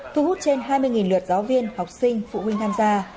thu hút trên hai mươi lượt giáo viên học sinh phụ huynh tham gia